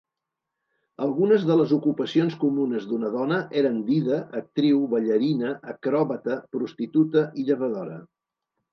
Algunes de les ocupacions comunes d'una dona eren dida, actriu, ballarina, acròbata, prostituta i llevadora.